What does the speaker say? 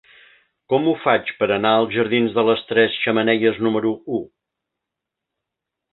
Com ho faig per anar als jardins de les Tres Xemeneies número u?